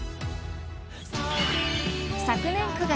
［昨年９月。